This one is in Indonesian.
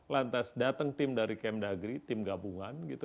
lantas datang tim dari km dagri tim gabungan gitu